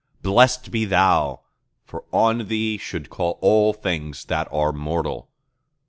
— Blessed be Thou! for on Thee should call all things that are mortal.